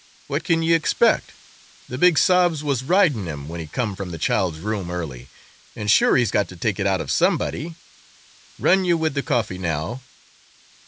What can ye expict? The big sobs was rindin' him whin he come from the child's room early, and sure he's got to take it out of somebody. Run you wid the coffee now!"